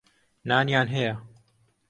نانیان هەیە.